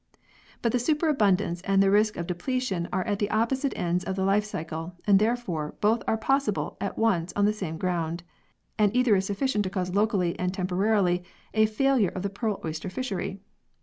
But the superabundance and the risk of depletion are at the opposite ends of the life cycle, and, therefore, both are possible at once on the same ground and either is sufficient to cause locally and temporarily a failure of the pearl oyster fishery.